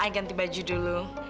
i ganti baju dulu